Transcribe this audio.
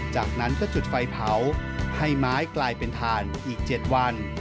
จากนั้นก็จุดไฟเผาให้ไม้กลายเป็นถ่านอีก๗วัน